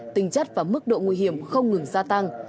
tinh chất và mức độ nguy hiểm không ngừng gia tăng